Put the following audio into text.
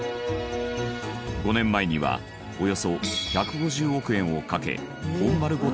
５年前にはおよそ１５０億円をかけ本丸御殿が復元され。